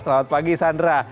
selamat pagi sandra